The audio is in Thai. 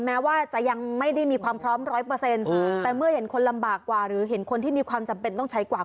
แม้ว่าจะยังไม่ได้มีความพร้อมร้อยเปอร์เซ็นต์แต่เมื่อเห็นคนลำบากกว่าหรือเห็นคนที่มีความจำเป็นต้องใช้กว่า